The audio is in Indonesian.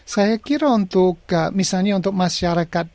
saya kira untuk misalnya untuk masyarakat